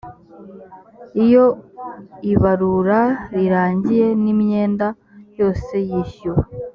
iyo ibarura rirangiye n imyenda yose yishyuwe